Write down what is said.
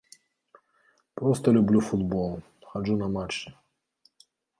Проста люблю футбол, хаджу на матчы.